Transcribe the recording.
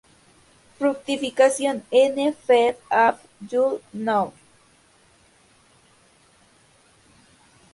Fructificación ene.-feb., abr.-jul., nov.